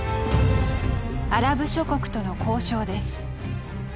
アラブ諸国との交渉です。